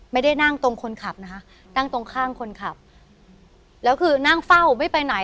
ไม่ได้นั่งตรงคนขับนะคะนั่งตรงข้างคนขับแล้วคือนั่งเฝ้าไม่ไปไหน